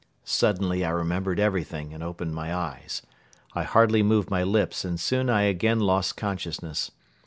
Suddenly I remembered everything and opened my eyes. I hardly moved my lips and soon I again lost consciousness.